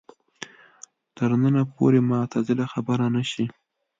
تر ننه پورې معتزله خبره نه شي